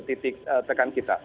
titik tekan kita